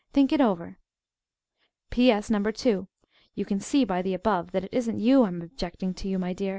Think it over. "P. S. No. 2. You can see by the above that it isn't you I'm objecting to, my dear.